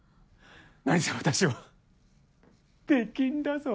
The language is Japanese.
何せ私は出禁だぞ。